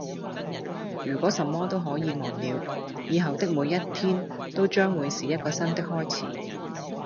如果什麼都可以忘了，以後的每一天都將會是一個新的開始